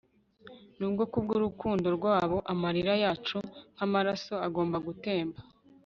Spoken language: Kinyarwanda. nubwo kubwurukundo rwabo amarira yacu nkamaraso agomba gutemba